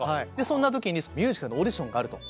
そんな時にミュージカルのオーディションがあると。